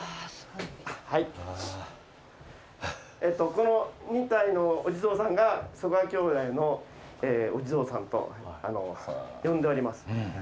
この２体のお地蔵さんを曽我兄弟のお地蔵さんと呼んでおります。